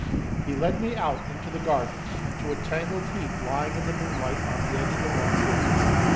He led me out into the garden, and to a tangled heap lying in the moonlight, on the edge of the long grass.